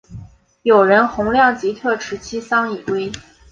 友人洪亮吉持其丧以归。